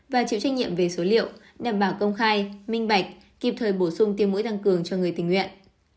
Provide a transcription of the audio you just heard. và chịu trách nhiệm về số liệu đảm bảo công khai minh bạch kịp thời bổ sung tiêm mũi tăng cường cho người tình nguyện